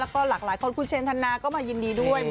แล้วก็หลากหลายคนคุณเชนธนาก็มายินดีด้วย